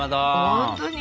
本当に？